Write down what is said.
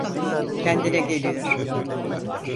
Kendine geliyor.